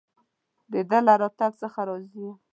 د ده له راتګ څخه راضي یم.